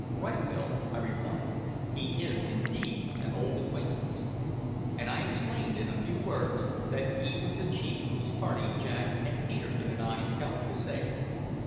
"Right, Bill," I replied; "he is indeed an old acquaintance." And I explained, in a few words, that he was the chief whose party Jack and Peterkin and I had helped to save.